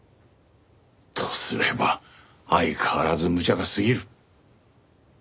とすれば相変わらずむちゃが過ぎる。